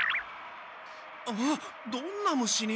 あどんな虫に？